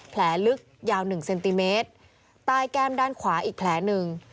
แผลลึกยาว๑เซนติเมตรใต้แก้มด้านขวาอีกแผลหนึ่ง